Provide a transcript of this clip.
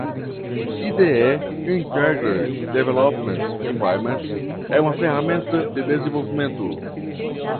IDE (Integrated Development Environment) é uma ferramenta de desenvolvimento.